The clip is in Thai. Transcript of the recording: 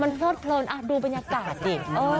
มันเผิดเพลินดูบรรยากาศดิ